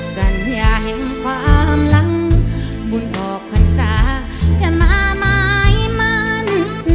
สัญญาเห็นความหลังบุญของคนสาจะมาไม้มัน